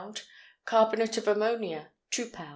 Carbonate of ammonia 2 lb.